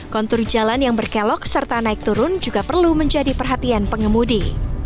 kontur jalan yang berkelok serta naik turun juga perlu menjadi perhatian pengemudi